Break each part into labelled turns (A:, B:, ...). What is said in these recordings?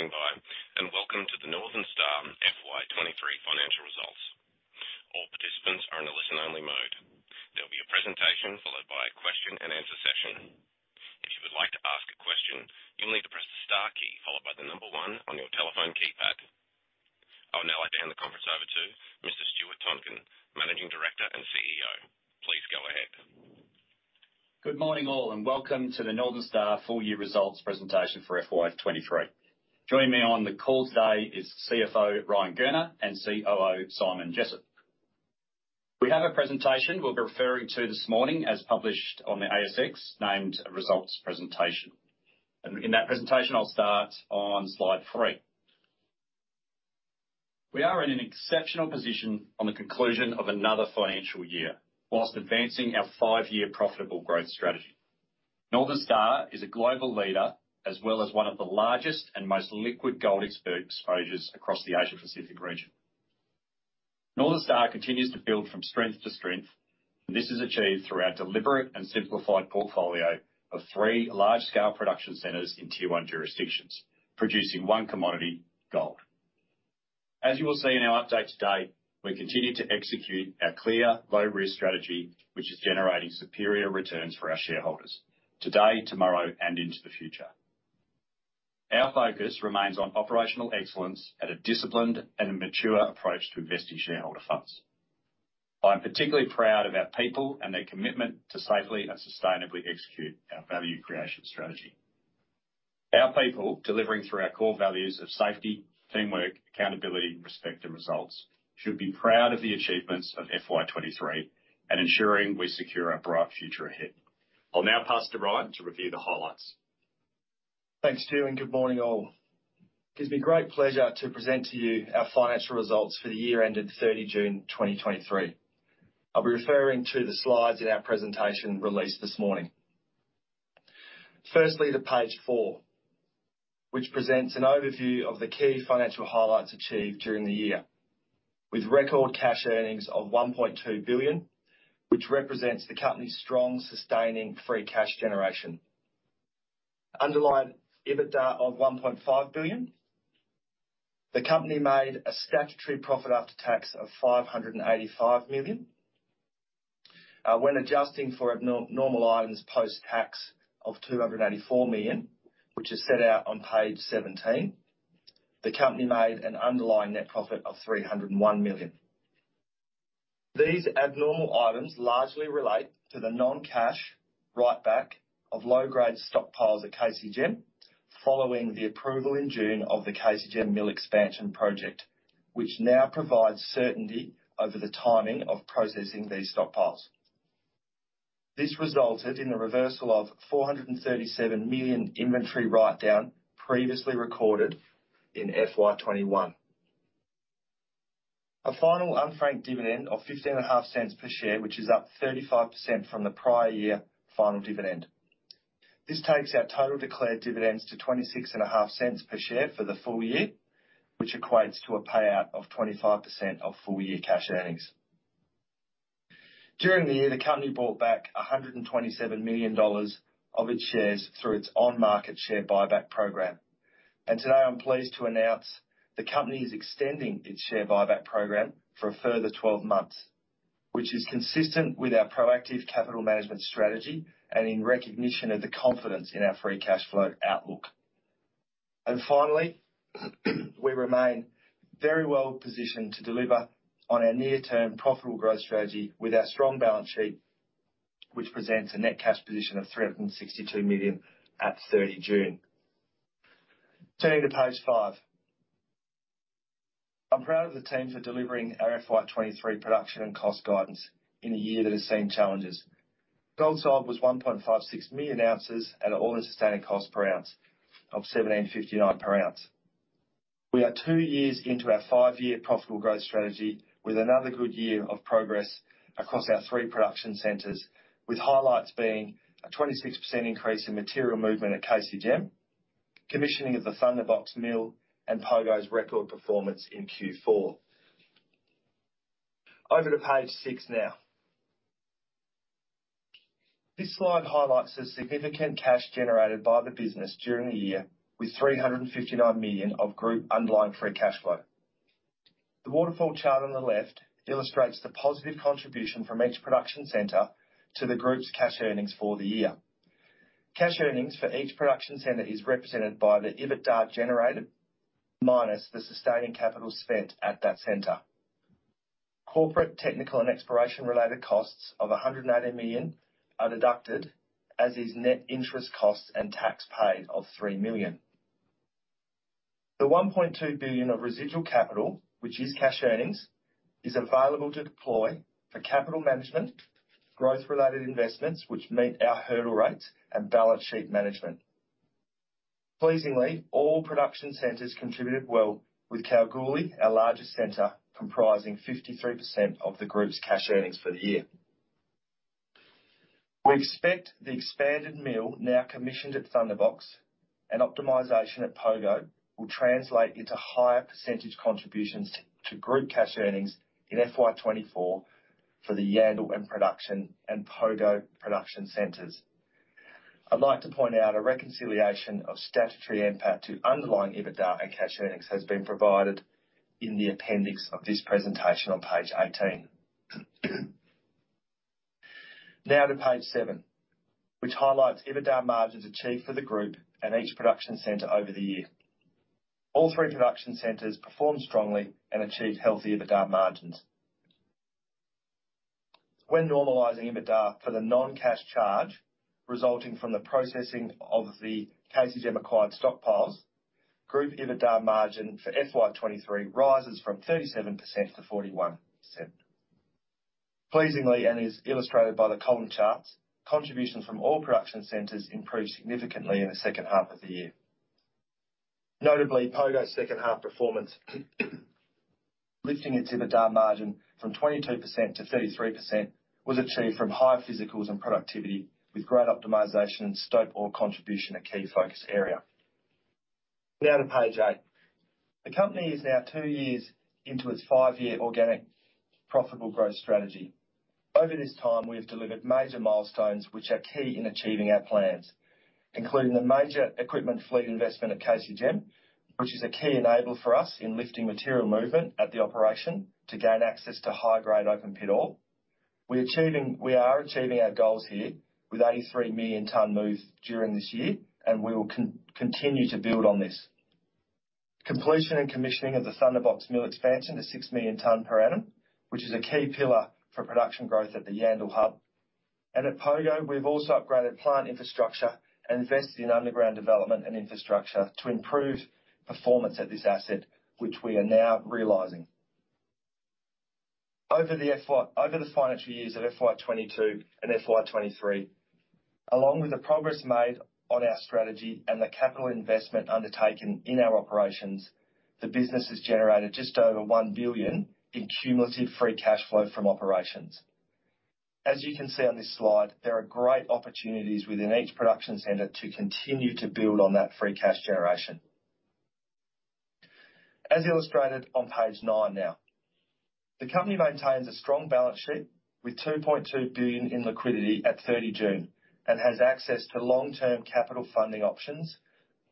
A: Thank you for standing by, welcome to the Northern Star FY 23 financial results. All participants are in a listen-only mode. There will be a presentation, followed by a question and answer session. If you would like to ask a question, you'll need to press the star key followed by one on your telephone keypad. I would now like to hand the conference over to Mr. Stuart Tonkin, Managing Director and CEO. Please go ahead.
B: Good morning, all, welcome to the Northern Star full year Results Presentation for FY 2023. Joining me on the call today is CFO, Ryan Gurner, and COO, Simon Jessop. We have a presentation we'll be referring to this morning, as published on the ASX, named Results Presentation. In that presentation, I'll start on slide three. We are in an exceptional position on the conclusion of another financial year, whilst advancing our five-year profitable growth strategy. Northern Star is a global leader, as well as one of the largest and most liquid gold expert exposures across the Asia Pacific region. Northern Star continues to build from strength to strength, this is achieved through our deliberate and simplified portfolio of three large-scale production centers in Tier One jurisdictions, producing one commodity: gold. As you will see in our update today, we continue to execute our clear, low-risk strategy, which is generating superior returns for our shareholders today, tomorrow, and into the future. Our focus remains on operational excellence at a disciplined and a mature approach to investing shareholder funds. I'm particularly proud of our people and their commitment to safely and sustainably execute our value creation strategy. Our people, delivering through our core values of Safety, Teamwork, Accountability, Respect and Results, should be proud of the achievements of FY 2023, and ensuring we secure our bright future ahead. I'll now pass to Ryan to review the highlights.
C: Thanks, Stuart. Good morning, all. It gives me great pleasure to present to you our financial results for the year ending 30 June, 2023. I'll be referring to the slides in our presentation released this morning. Firstly, to page four, which presents an overview of the key financial highlights achieved during the year. With record cash earnings of 1.2 billion, which represents the company's strong, sustaining free cash generation. Underlying EBITDA of AUD 1.5 billion, the company made a statutory profit after tax of AUD 585 million. When adjusting for abnormal items, post-tax of 284 million, which is set out on page 17, the company made an underlying net profit of 301 million. These abnormal items largely relate to the non-cash writeback of low-grade stockpiles at KCGM, following the approval in June of the KCGM mill expansion project, which now provides certainty over the timing of processing these stockpiles. This resulted in a reversal of 437 million inventory write-down previously recorded in FY 2021. A final unfranked dividend of 0.155 per share, which is up 35% from the prior year final dividend. This takes our total declared dividends to 0.265 per share for the full year, which equates to a payout of 25% of full year cash earnings. During the year, the company bought back 127 million dollars of its shares through its on-market share buyback program. Today, I'm pleased to announce the company is extending its share buyback program for a further 12 months, which is consistent with our proactive capital management strategy and in recognition of the confidence in our free cash flow outlook. Finally, we remain very well positioned to deliver on our near-term profitable growth strategy with our strong balance sheet, which presents a net cash position of 362 million at 30 June. Turning to page five. I'm proud of the team for delivering our FY23 production and cost guidance in a year that has seen challenges. Gold sold was 1.56 million oz at an all-in sustaining cost per ounce of 1,759 per ounce. We are two years into our five-year profitable growth strategy, with another good year of progress across our three production centers, with highlights being a 26% increase in material movement at KCGM, commissioning of the Thunderbox mill, and Pogo's record performance in Q4. Over to page six now. This slide highlights the significant cash generated by the business during the year, with 359 million of group underlying free cash flow. The waterfall chart on the left illustrates the positive contribution from each production center to the group's cash earnings for the year. Cash earnings for each production center is represented by the EBITDA generated, minus the sustaining capital spent at that center. Corporate, technical, and exploration-related costs of 180 million are deducted, as is net interest costs and tax paid of 3 million. The 1.2 billion of residual capital, which is cash earnings, is available to deploy for capital management, growth-related investments which meet our hurdle rates, and balance sheet management. Pleasingly, all production centers contributed well, with Kalgoorlie, our largest center, comprising 53% of the group's cash earnings for the year. We expect the expanded mill, now commissioned at Thunderbox, and optimization at Pogo, will translate into higher percentage contributions to group cash earnings in FY 2024 for the Yandal and production and Pogo production centers. I'd like to point out a reconciliation of statutory NPAT to underlying EBITDA and cash earnings has been provided in the appendix of this presentation on page 18. To page seven, which highlights EBITDA margins achieved for the group and each production center over the year. All three production centers performed strongly and achieved healthy EBITDA margins. When normalizing EBITDA for the non-cash charge resulting from the processing of the KCGM acquired stockpiles, group EBITDA margin for FY 2023 rises from 37%-41%. Pleasingly, and is illustrated by the column charts, contribution from all production centers improved significantly in the second half of the year. Notably, Pogo's second half performance, lifting its EBITDA margin from 22%-33%, was achieved from higher physicals and productivity, with great optimization and stope ore contribution, a key focus area. Now to page 8. The company is now two years into its 5-year organic, profitable growth strategy. Over this time, we have delivered major milestones which are key in achieving our plans, including the major equipment fleet investment at KCGM, which is a key enabler for us in lifting material movement at the operation to gain access to high-grade open pit ore. We are achieving our goals here with 83 million tons moved during this year, and we will continue to build on this. Completion and commissioning of the Thunderbox mill expansion to 6 million tons per annum, which is a key pillar for production growth at the Yandal Hub. At Pogo, we've also upgraded plant infrastructure and invested in underground development and infrastructure to improve performance at this asset, which we are now realizing. Over the financial years of FY 2022 and FY 2023, along with the progress made on our strategy and the capital investment undertaken in our operations, the business has generated just over 1 billion in cumulative free cash flow from operations. As you can see on this slide, there are great opportunities within each production center to continue to build on that free cash generation. As illustrated on page nine now. The company maintains a strong balance sheet with AUD 2.2 billion in liquidity at 30 June, and has access to long-term capital funding options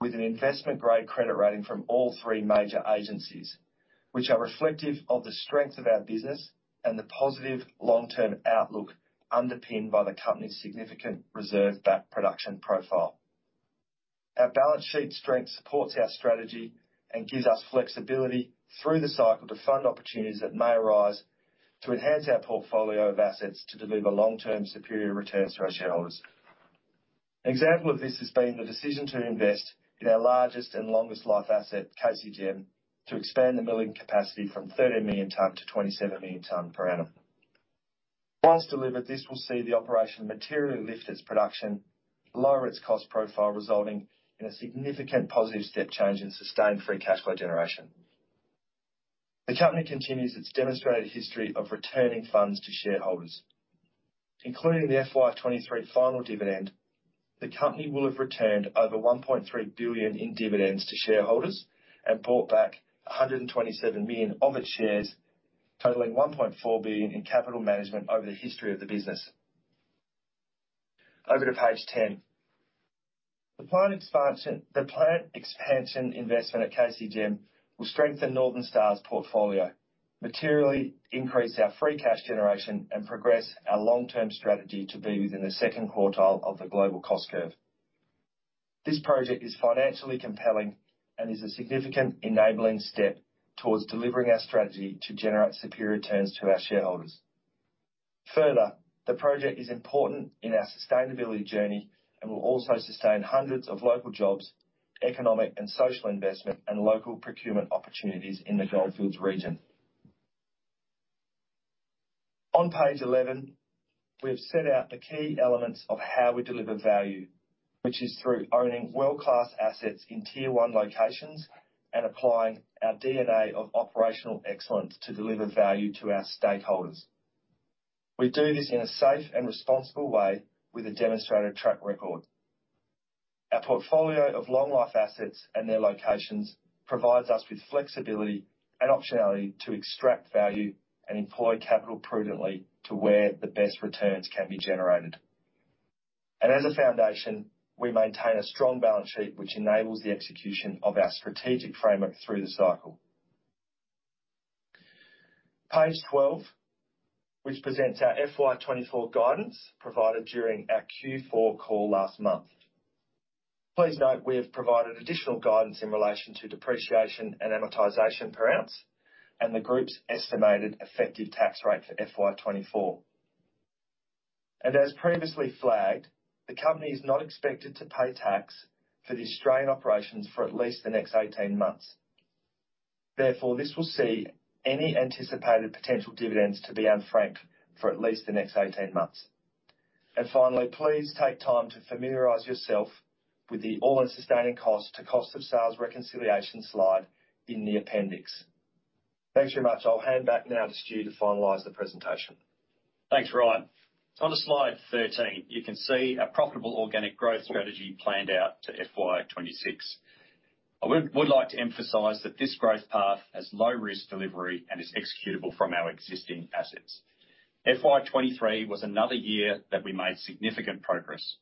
C: with an investment-grade credit rating from all three major agencies, which are reflective of the strength of our business and the positive long-term outlook underpinned by the company's significant reserve backed production profile. Our balance sheet strength supports our strategy and gives us flexibility through the cycle to fund opportunities that may arise, to enhance our portfolio of assets to deliver long-term superior returns to our shareholders. An example of this has been the decision to invest in our largest and longest life asset, KCGM, to expand the milling capacity from 13 million tons to 27 million tons per annum. Once delivered, this will see the operation materially lift its production, lower its cost profile, resulting in a significant positive step change in sustained free cash flow generation. The company continues its demonstrated history of returning funds to shareholders. Including the FY 2023 final dividend, the company will have returned over 1.3 billion in dividends to shareholders and bought back 127 million of its shares, totaling 1.4 billion in capital management over the history of the business. Over to page 10. The plant expansion investment at KCGM will strengthen Northern Star's portfolio, materially increase our free cash generation, and progress our long-term strategy to be within the second quartile of the global cost curve. This project is financially compelling and is a significant enabling step towards delivering our strategy to generate superior returns to our shareholders. Further, the project is important in our sustainability journey and will also sustain hundreds of local jobs, economic and social investment, and local procurement opportunities in the Goldfields region. On page 11, we have set out the key elements of how we deliver value, which is through owning world-class assets in Tier One locations and applying our DNA of operational excellence to deliver value to our stakeholders. We do this in a safe and responsible way with a demonstrated track record. As a foundation, we maintain a strong balance sheet, which enables the execution of our strategic framework through the cycle. Page 12, which presents our FY 2024 guidance provided during our Q4 call last month. Please note, we have provided additional guidance in relation to depreciation and amortization per ounce, and the group's estimated effective tax rate for FY 2024. As previously flagged, the company is not expected to pay tax for the Australian operations for at least the next 18 months. Therefore, this will see any anticipated potential dividends to be unfranked for at least the next 18 months. Finally, please take time to familiarize yourself with the all-in sustaining cost to cost of sales reconciliation slide in the appendix. Thanks very much. I'll hand back now to Stu to finalize the presentation.
B: Thanks, Ryan. On to slide 13, you can see our profitable organic growth strategy planned out to FY 2026. I would like to emphasize that this growth path has low risk delivery and is executable from our existing assets. FY 2023 was another year that we made significant progress.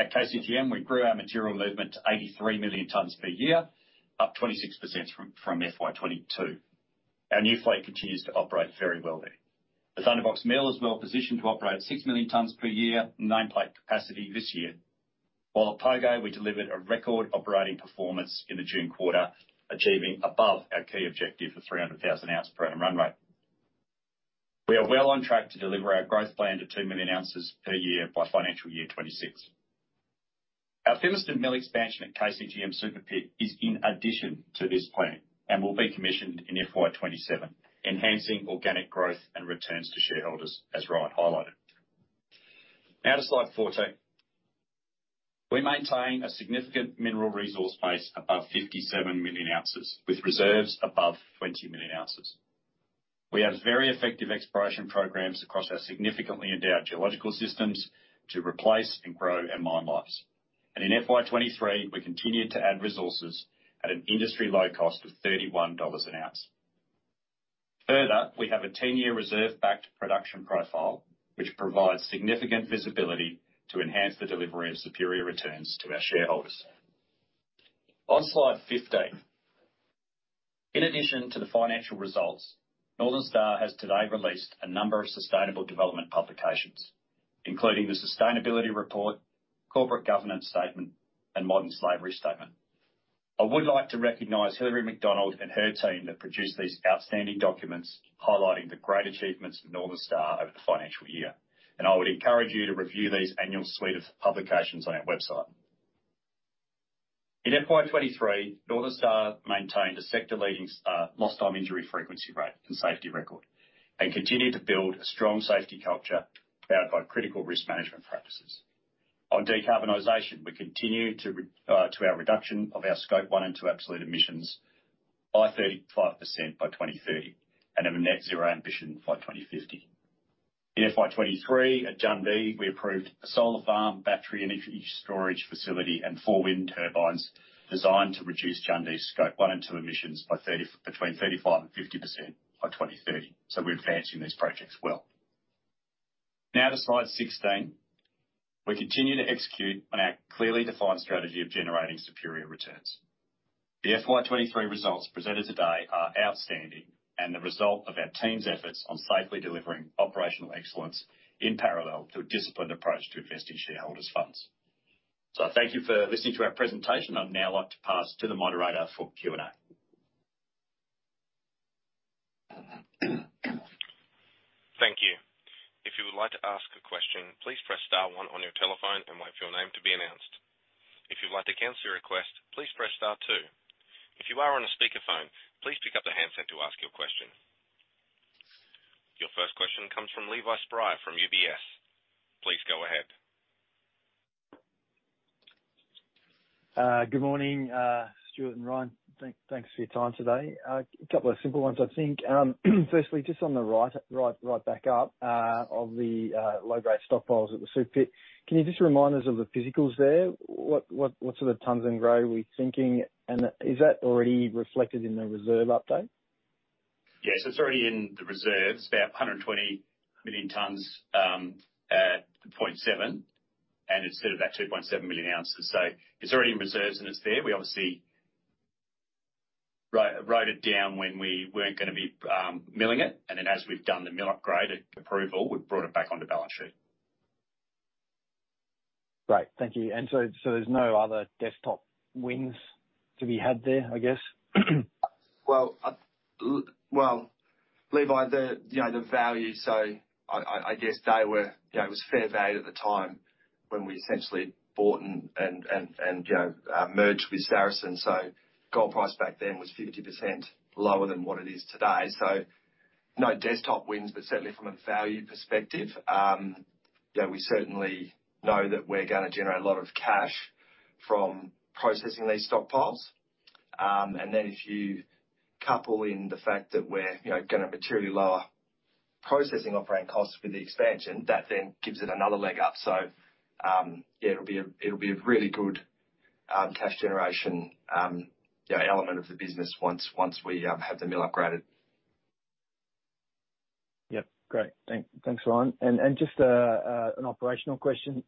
B: At KCGM, we grew our material movement to 83 million tons per year, up 26% from FY 2022. Our new fleet continues to operate very well there. The Thunderbox mill is well positioned to operate at 6 million tons per year, nameplate capacity this year. While at Pogo, we delivered a record operating performance in the June quarter, achieving above our key objective of 300,000 ounce per annum run rate. We are well on track to deliver our growth plan to 2 million oz per year by financial year 2026. Our Fimiston mill expansion at KCGM Super Pit is in addition to this plan, will be commissioned in FY 2027, enhancing organic growth and returns to shareholders, as Ryan highlighted. Now to slide 14. We maintain a significant mineral resource base above 57 million oz, with reserves above 20 million oz. We have very effective exploration programs across our significantly endowed geological systems to replace and grow our mine lives. In FY 2023, we continued to add resources at an industry low cost of 31 dollars an ounce. Further, we have a 10-year reserve backed production profile, which provides significant visibility to enhance the delivery of superior returns to our shareholders. On slide 15, in addition to the financial results, Northern Star has today released a number of sustainable development publications, including the Sustainability Report, Corporate Governance Statement, and Modern Slavery Statement. I would like to recognize Hilary Macdonald and her team that produced these outstanding documents, highlighting the great achievements of Northern Star over the financial year. I would encourage you to review these annual suite of publications on our website. In FY 2023, Northern Star maintained a sector-leading lost time injury frequency rate and safety record, and continued to build a strong safety culture backed by critical risk management practices. On decarbonization, we continue to our reduction of our Scope 1 and 2 absolute emissions by 35% by 2030, and have a net zero ambition by 2050. In FY 2023, at Jundee, we approved a solar farm, battery energy storage facility, and four wind turbines designed to reduce Jundee's Scope 1 and 2 emissions by between 35% and 50% by 2030. We're advancing these projects well. Now to slide 16. We continue to execute on our clearly defined strategy of generating superior returns. The FY 2023 results presented today are outstanding, and the result of our team's efforts on safely delivering operational excellence in parallel to a disciplined approach to investing shareholders' funds. Thank you for listening to our presentation. I'd now like to pass to the moderator for Q&A.
A: Thank you. If you would like to ask a question, please press star one on your telephone and wait for your name to be announced. If you'd like to cancel your request, please press star two. If you are on a speakerphone, please pick up the handset to ask your question. Your first question comes from Levi Spry from UBS. Please go ahead.
D: Good morning, Stuart and Ryan. Thanks for your time today. A couple of simple ones, I think. Firstly, just on the write, write, write back up, of the low-grade stockpiles at the Super Pit, can you just remind us of the physicals there? What, what, what sort of tons and grade are we thinking, and is that already reflected in the reserve update?
B: It's already in the reserves, about 120 million tons, at 0.7, and it's still about 2.7 million oz. It's already in reserves and it's there. We obviously wrote it down when we weren't gonna be milling it, then as we've done the mill upgrade approval, we've brought it back on the balance sheet.
D: Great. Thank you. So, so there's no other desktop wins to be had there, I guess?
C: Well, I, well, Levi, the, you know, the value, I, I, I guess they were. You know, it was fair value at the time when we essentially bought and, and, and, and, you know, merged with Saracen. Gold price back then was 50% lower than what it is today. No desktop wins, but certainly from a value perspective, you know, we certainly know that we're gonna generate a lot of cash from processing these stockpiles. Then if you couple in the fact that we're, you know, gonna materially lower processing operating costs with the expansion, that then gives it another leg up. Yeah, it'll be a, it'll be a really good, cash generation, you know, element of the business once, once we, have the mill upgraded.
D: Yep. Great. Thank, thanks, Ryan. Just an operational question.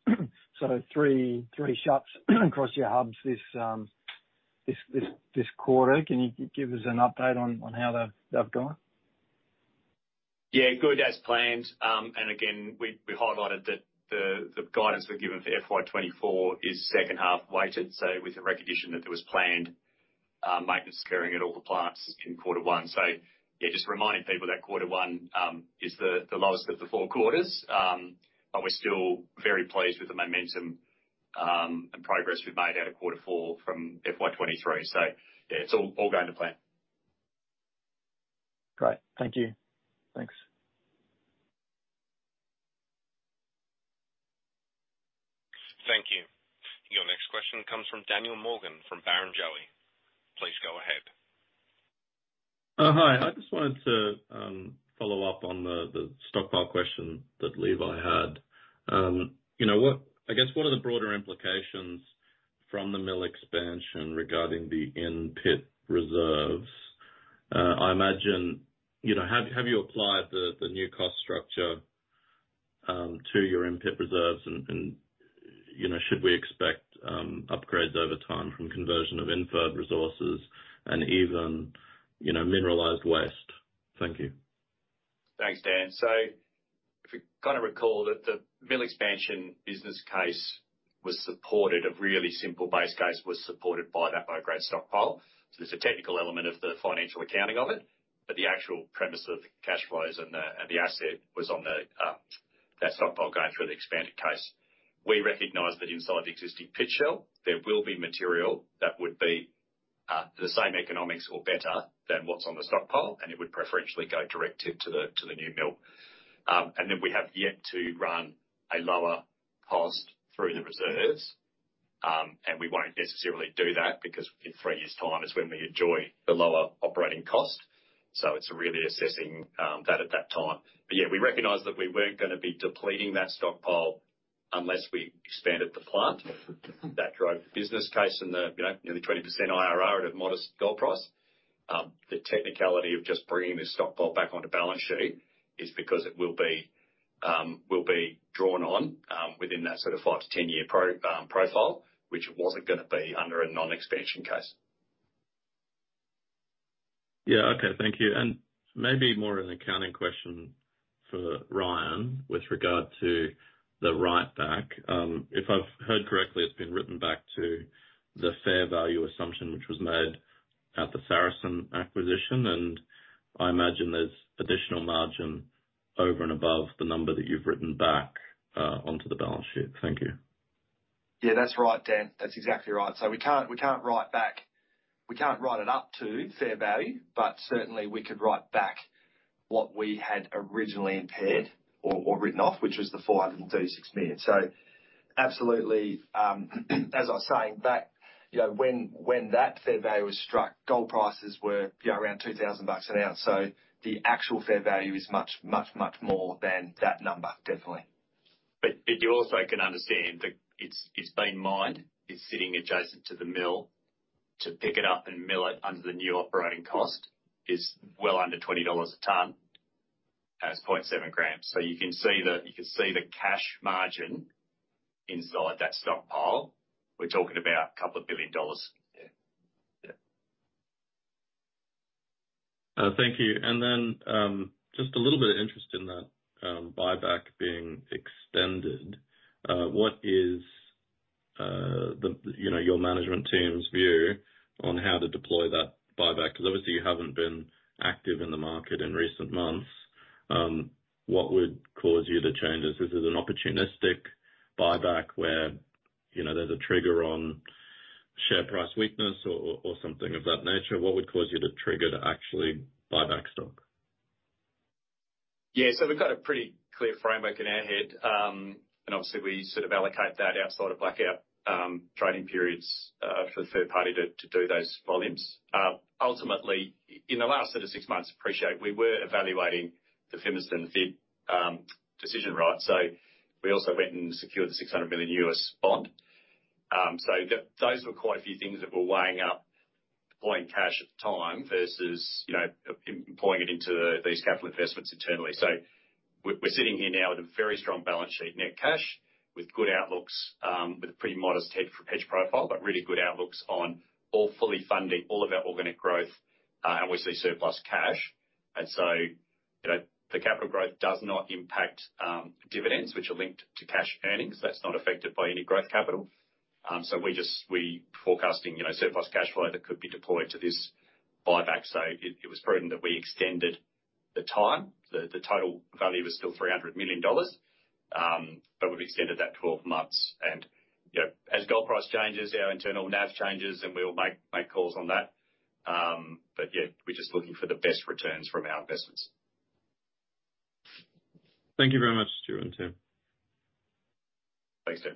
D: three, three shuts across your hubs this quarter. Can you give us an update on how they've gone?
B: Yeah, good as planned. We, we highlighted that the guidance we've given for FY 2024 is second half weighted, so with the recognition that there was planned maintenance occurring at all the plants in Q1. Just reminding people that Q1 is the lowest of the four quarters. We're still very pleased with the momentum and progress we've made out of Q4 from FY 2023. It's all, all going to plan.
D: Great. Thank you. Thanks.
A: Thank you. Your next question comes from Daniel Morgan, from Barrenjoey. Please go ahead.
E: Hi. I just wanted to follow up on the, the stockpile question that Levi had. You know, what I guess, what are the broader implications from the mill expansion regarding the in-pit reserves? I imagine, you know, have you applied the, the new cost structure to your in-pit reserves? You know, should we expect upgrades over time from conversion of inferred resources and even, you know, mineralized waste? Thank you.
B: Thanks, Dan. If you kind of recall that the mill expansion business case was supported, a really simple base case was supported by that by grade stockpile. There's a technical element of the financial accounting of it, but the actual premise of cash flows and the, and the asset was on the that stockpile going through the expanded case. We recognize that inside the existing pit shell, there will be material that would be the same economics or better than what's on the stockpile, and it would preferentially go direct to, to the, to the new mill. Then we have yet to run a lower cost through the reserves. We won't necessarily do that because in three years' time is when we enjoy the lower operating cost. It's really assessing that at that time. Yeah, we recognize that we weren't going to be depleting that stockpile unless we expanded the plant. That drove the business case and the, you know, nearly 20% IRR at a modest gold price. The technicality of just bringing this stockpile back onto balance sheet is because it will be, will be drawn on, within that sort of 5-10 year pro profile, which it wasn't going to be under a non-expansion case.
E: Yeah. Okay. Thank you. Maybe more of an accounting question for Ryan with regard to the write back. If I've heard correctly, it's been written back to the fair value assumption, which was made at the Saracen acquisition, and I imagine there's additional margin over and above the number that you've written back onto the balance sheet. Thank you.
C: Yeah, that's right, Dan. That's exactly right. We can't write it up to fair value. Certainly we could write back what we had originally impaired or, or written off, which was 536 million. Absolutely, as I was saying, back, you know, when, when that fair value was struck, gold prices were, you know, around 2,000 bucks an ounce. The actual fair value is much, much, much more than that number, definitely.
B: You also can understand that it's been mined. It's sitting adjacent to the mill. To pick it up and mill it under the new operating cost is well under $20 a ton, and it's 0.7 grams. You can see the cash margin inside that stockpile. We're talking about $2 billion.
C: Yeah. Yeah.
E: Thank you. Just a little bit of interest in that buyback being extended. What is, you know, your management team's view on how to deploy that buyback? Because obviously you haven't been active in the market in recent months. What would cause you to change this? This is an opportunistic buyback where, you know, there's a trigger on share price weakness or something of that nature. What would cause you to trigger to actually buy back stock?
B: Yeah, we've got a pretty clear framework in our head. Obviously, we sort of allocate that outside of blackout trading periods for the third party to do those volumes. Ultimately, in the last sort of six months, appreciate we were evaluating the Fimiston fit decision, right? We also went and secured the $600 million U.S. bond. Those were quite a few things that were weighing up deploying cash at the time versus, you know, deploying it into these capital investments internally. We're sitting here now with a very strong balance sheet, net cash, with good outlooks, with a pretty modest hedge, hedge profile, but really good outlooks on all fully funding, all of our organic growth, and obviously surplus cash. You know, the capital growth does not impact dividends, which are linked to cash earnings. That's not affected by any growth capital. We just, we forecasting, you know, surplus cash flow that could be deployed to this buyback. It, it was prudent that we extended the time. The, the total value was still 300 million dollars, but we've extended that 12 months. You know, as gold price changes, our internal NAV changes, and we will make, make calls on that. Yeah, we're just looking for the best returns from our investments.
E: Thank you very much, Stuart and team.
B: Thanks, Dan.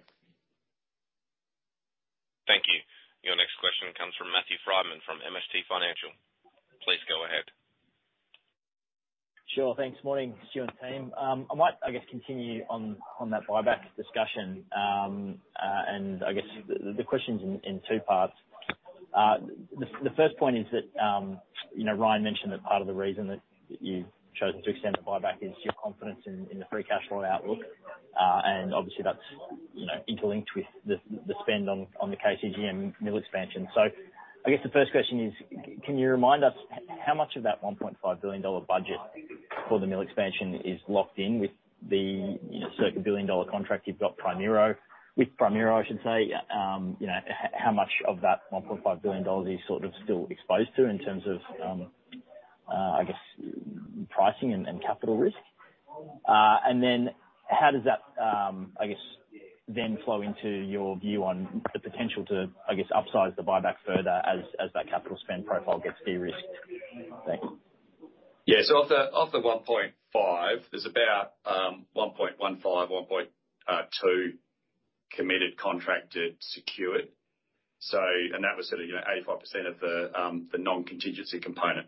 A: Thank you. Your next question comes from Matthew Frydman from MST Financial. Please go ahead.
F: Sure. Thanks. Morning, Stuart and team. I might, I guess, continue on, on that buyback discussion. I guess the, the, the question's in, in two parts. The, the first point is that, you know, Ryan mentioned that part of the reason that, that you've chosen to extend the buyback is your confidence in, in the free cash flow outlook. Obviously that's, you know, interlinked with the, the spend on, on the KCGM and mill expansion. I guess the first question is: Can you remind us how much of that 1.5 billion dollar budget for the mill expansion is locked in with the, you know, circuit 1 billion dollar contract you've got with Primero, I should say? You know, how much of that 1.5 billion dollars are you sort of still exposed to in terms of, I guess pricing and, and capital risk? Then how does that, I guess, then flow into your view on the potential to, I guess, upsize the buyback further as, as that capital spend profile gets de-risked? Thank you.
B: the 1.5, there's about, 1.15, one point, two-... committed, contracted, secured. And that was sort of, you know, 85% of the, the non-contingency component.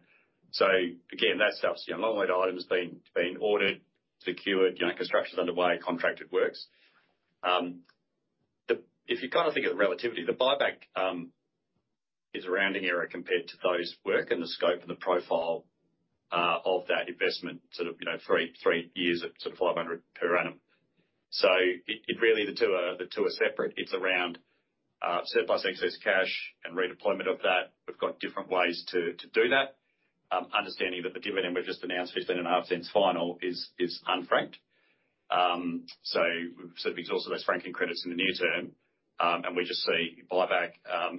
B: Again, that stuff's, you know, long-lead items being, being ordered, secured, you know, construction's underway, contracted works. The if you kind of think of the relativity, the buyback, is around an era compared to those work and the scope and the profile, of that investment, sort of, you know, three, three years at sort of 500 per annum. It, it really the two are, the two are separate. It's around, surplus excess cash and redeployment of that. We've got different ways to, to do that. Understanding that the dividend we've just announced, 0.155 final, is, is unfranked. We've exhausted those franking credits in the near term. We just see buyback,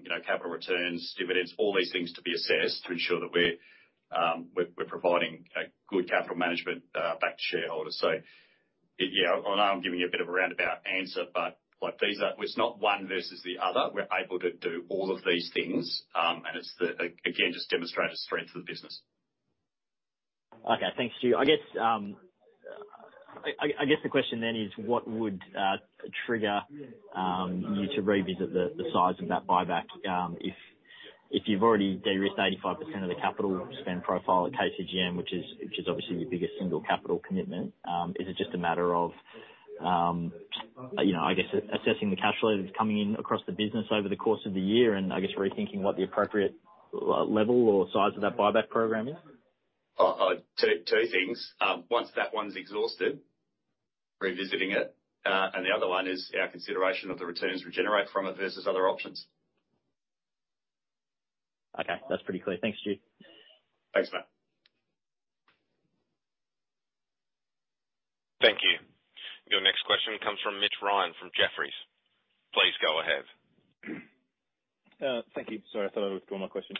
B: you know, capital returns, dividends, all these things to be assessed to ensure that we're providing a good capital management back to shareholders. Yeah, I know I'm giving you a bit of a roundabout answer, but, like, these are, it's not one versus the other. We're able to do all of these things, it's the again, just demonstrates the strength of the business.
F: Okay. Thanks, Stuart. I guess the question then is: what would trigger you to revisit the size of that buyback? If you've already de-risked 85% of the capital spend profile at KCGM, which is obviously your biggest single capital commitment, is it just a matter of, you know, I guess assessing the cash flows coming in across the business over the course of the year, and I guess rethinking what the appropriate level or size of that buyback program is?
B: two, two things. once that one's exhausted, revisiting it. The other one is our consideration of the returns we generate from it versus other options.
F: Okay, that's pretty clear. Thanks, Stuart.
B: Thanks, mate.
A: Thank you. Your next question comes from Mitch Ryan from Jefferies. Please go ahead.
G: Thank you. Sorry, I thought I withdraw my question.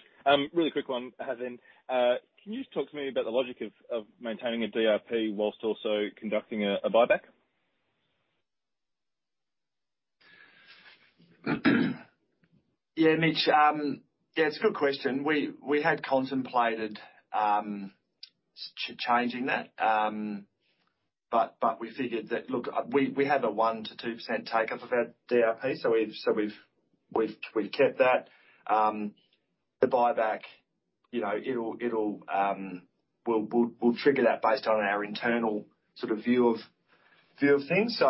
G: Really quick one, as in. Can you just talk to me about the logic of maintaining a DRP whilst also conducting a buyback?
C: Yeah, Mitch, yeah, it's a good question. We, we had contemplated changing that, but we figured that, look, we, we have a 1% to 2% take-up of our DRP, so we've kept that. The buyback, you know, it'll, we'll trigger that based on our internal sort of view of things.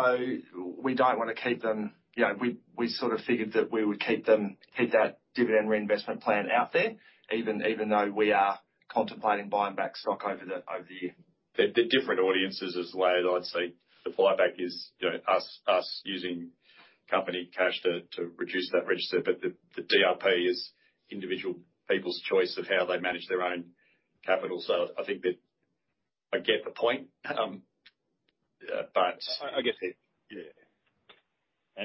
C: We don't want to keep them. You know, we, we sort of figured that we would keep them, keep that dividend reinvestment plan out there, even though we are contemplating buying back stock over the year.
B: They're different audiences, is the way that I'd say. The buyback is, you know, us, us using company cash to, to reduce that register. The DRP is individual people's choice of how they manage their own capital. I think that I get the point.
G: I, I guess, yeah.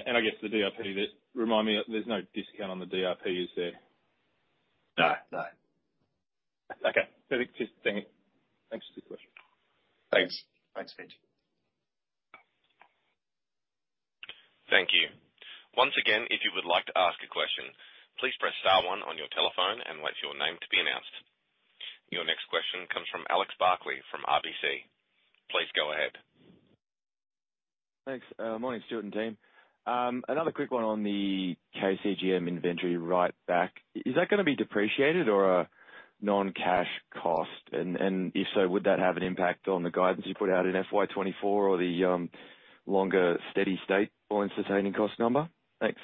G: And I guess the DRP, just remind me, there's no discount on the DRP, is there?
B: No, no.
G: Okay. Thank you. Thanks for the question.
B: Thanks. Thanks, Mitch.
A: Thank you. Once again, if you would like to ask a question, please press star one on your telephone and wait for your name to be announced. Your next question comes from Alex Barclay from RBC. Please go ahead.
H: Thanks. Morning, Stuart and team. Another quick one on the KCGM inventory right back. Is that going to be depreciated or a non-cash cost? If so, would that have an impact on the guidance you put out in FY 2024 or the longer steady state all-in sustaining cost number? Thanks.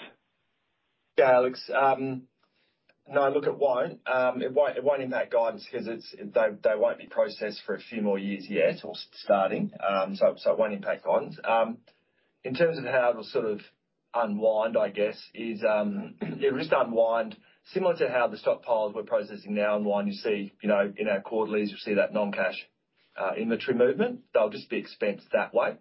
C: Yeah, Alex. No, look, it won't. It won't, it won't impact guidance because they won't be processed for a few more years yet or starting. It won't impact guidance. In terms of how it'll sort of unwind, I guess, is, it would just unwind similar to how the stockpiles we're processing now unwind, you see, you know, in our quarterlies, you'll see that non-cash inventory movement. They'll just be expensed that way.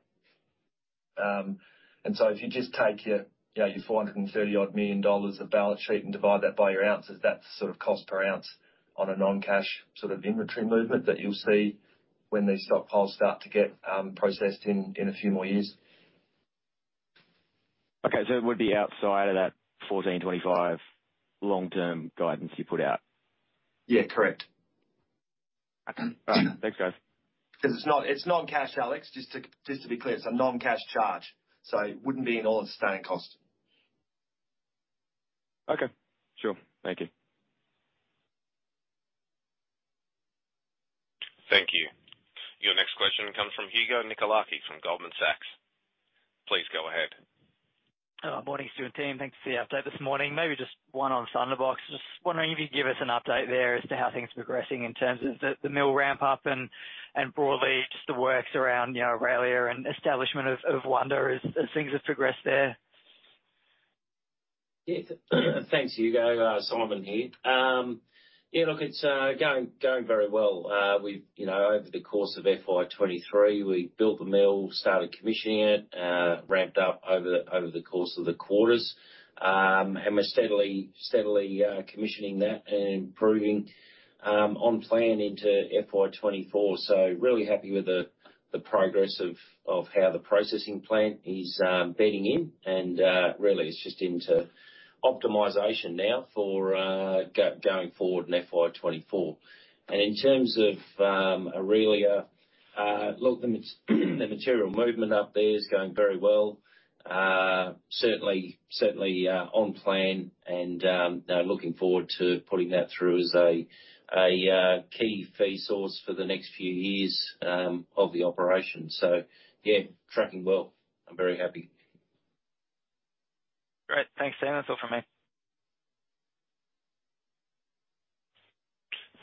C: If you just take your, you know, your 430 million dollars odd of balance sheet and divide that by your oz, that's sort of cost per ounce on a non-cash sort of inventory movement that you'll see when these stockpiles start to get processed in a few more years.
H: Okay, it would be outside of that 1,425 long-term guidance you put out?
C: Yeah, correct.
H: Thanks, guys.
C: 'Cause it's non-cash, Alex, just to, just to be clear, it's a non-cash charge, so it wouldn't be in all-in sustaining cost.
H: Okay, sure. Thank you.
A: Thank you. Your next question comes from Hugo Nicolaci from Goldman Sachs. Please go ahead.
I: Morning, Stuart and team. Thanks for the update this morning. Maybe just one on Thunderbox. Just wondering if you could give us an update there as to how things are progressing in terms of the, the mill ramp up and, and broadly, just the works around, you know, Orelia and establishment of, of Wonder as, as things have progressed there?
C: Yeah. Thanks, Hugo. Simon here. Yeah, look, it's going, going very well. We've, you know, over the course of FY 2023, we built the mill, started commissioning it, ramped up over the, over the course of the quarters. We're steadily, steadily commissioning that and improving on plan into FY 2024. Really happy with the, the progress of, of how the processing plant is bedding in. Really it's just into optimization now for going forward in FY 2024. In terms of Orelia, look, the material movement up there is going very well. Certainly, certainly on plan and, you know, looking forward to putting that through as a key fee source for the next few years of the operation. Yeah, tracking well. I'm very happy.
I: Great. Thanks, Ryan. That's all for me.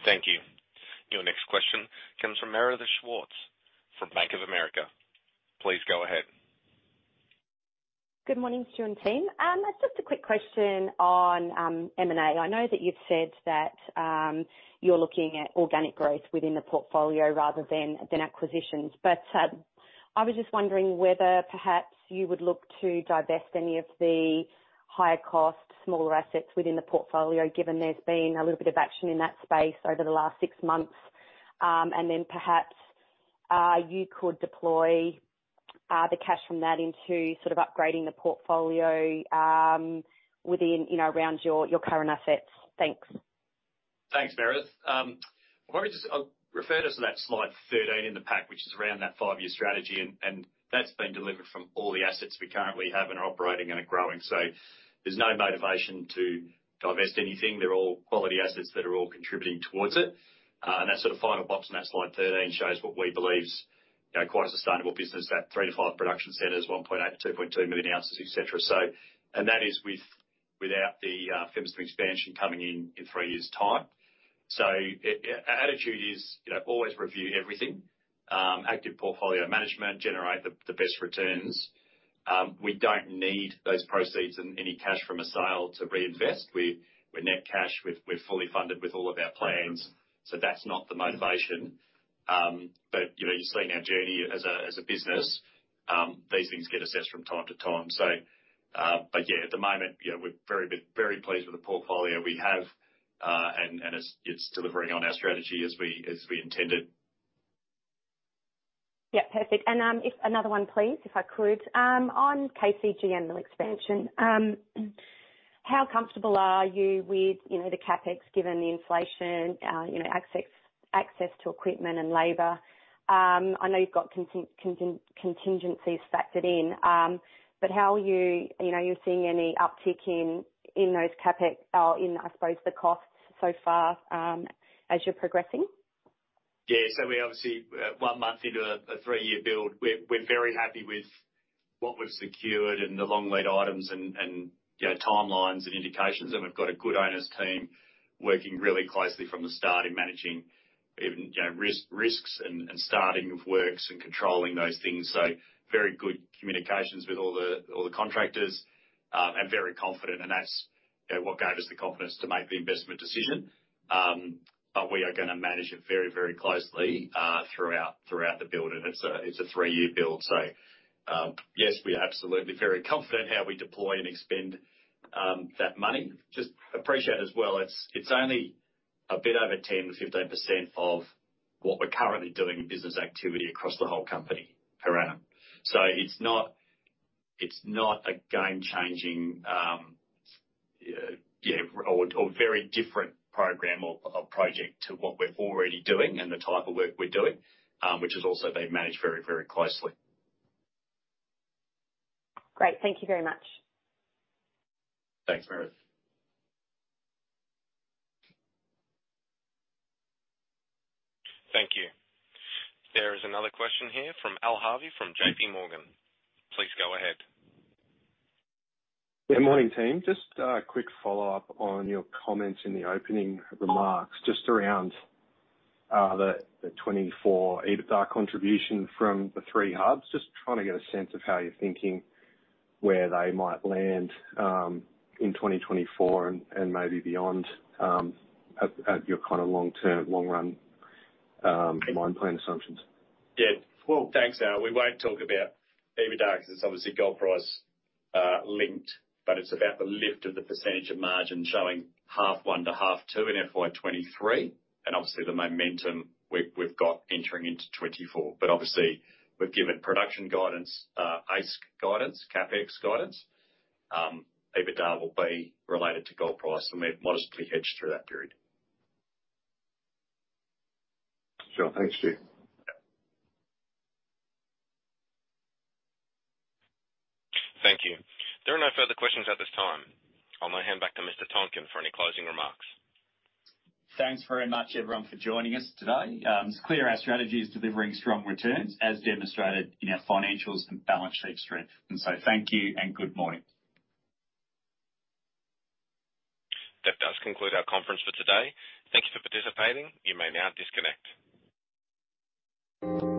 A: Thank you. Your next question comes from Meredith Schwartz from Bank of America. Please go ahead.
J: Good morning, Stuart and team. Just a quick question on M&A. I know that you've said that, you're looking at organic growth within the portfolio rather than, than acquisitions. I was just wondering whether perhaps you would look to divest any of the higher cost, smaller assets within the portfolio, given there's been a little bit of action in that space over the last six months. Perhaps, you could deploy the cash from that into sort of upgrading the portfolio, within, you know, around your, your current assets. Thanks.
B: Thanks, Meredith. Why don't we I'll refer to that slide 13 in the pack, which is around that 5-year strategy, and that's been delivered from all the assets we currently have and are operating and are growing. There's no motivation to divest anything. They're all quality assets that are all contributing towards it. That sort of final box in that slide 13 shows what we believe is, you know, quite a sustainable business, that three to five production centers, 1.8 million-2.2 million oz, et cetera. That is without the Fimiston expansion coming in in three years' time. Our attitude is, you know, always review everything, active portfolio management, generate the best returns. We don't need those proceeds and any cash from a sale to reinvest. We, we're net cash, we're fully funded with all of our plans, so that's not the motivation. you know, you're seeing our journey as a business, these things get assessed from time to time. yeah, at the moment, you know, we're very pleased with the portfolio we have, and it's delivering on our strategy as we, as we intended.
J: Yeah, perfect. Another one, please, if I could. On KCGM and mill expansion, how comfortable are you with, you know, the CapEx, given the inflation, you know, access, access to equipment and labor? I know you've got contingencies factored in, but how are you... You know, are you seeing any uptick in, in those CapEx? Or in, I suppose, the costs so far, as you're progressing?
B: Yeah, so we're obviously 1 month into a three-year build. We're very happy with what we've secured and the long lead items and, you know, timelines and indications. We've got a good owners team working really closely from the start in managing, you know, risk, risks and starting of works and controlling those things. Very good communications with all the contractors, and very confident. That's, you know, what gave us the confidence to make the investment decision. We are going to manage it very, very closely throughout the build, and it's a three-year build. Yes, we are absolutely very confident how we deploy and expend that money. Just appreciate as well, it's, it's only a bit over 10%-15% of what we're currently doing in business activity across the whole company per annum. It's not, it's not a game-changing, you know, or, or very different program or, or project to what we're already doing and the type of work we're doing, which is also being managed very, very closely.
J: Great. Thank you very much.
B: Thanks, Meredith.
A: Thank you. There is another question here from Al Harvey from JP Morgan. Please go ahead.
K: Good morning, team. Just a quick follow-up on your comments in the opening remarks, just around the 2024 EBITDA contribution from the three hubs. Just trying to get a sense of how you're thinking, where they might land in 2024 and, and maybe beyond, at, at your kind of long-term, long-run, mine plan assumptions.
B: Yeah. Well, thanks, Al. We won't talk about EBITDA, because it's obviously gold price linked, but it's about the lift of the percentage of margin showing half one to half two in FY 2023, and obviously the momentum we, we've got entering into 2024. Obviously we've given production guidance, AISC guidance, CapEx guidance. EBITDA will be related to gold price, and we're modestly hedged through that period.
K: Sure. Thanks, Stuart.
B: Yeah.
A: Thank you. There are no further questions at this time. I'm going to hand back to Mr. Tonkin for any closing remarks.
B: Thanks very much, everyone, for joining us today. It's clear our strategy is delivering strong returns, as demonstrated in our financials and balance sheet strength. Thank you and good morning.
A: That does conclude our conference for today. Thank you for participating. You may now disconnect.